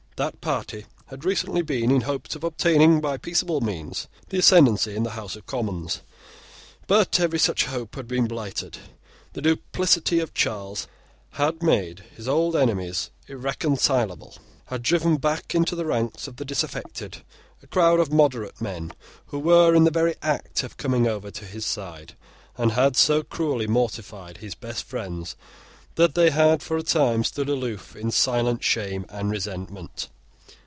That party had recently been in hopes of obtaining by peaceable means the ascendency in the House of Commons; but every such hope had been blighted. The duplicity of Charles had made his old enemies irreconcileable, had driven back into the ranks of the disaffected a crowd of moderate men who were in the very act of coming over to his side, and had so cruelly mortified his best friends that they had for a time stood aloof in silent shame and resentment.